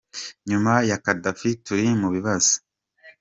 Nyuma ya Khadafi turi mu bibazo.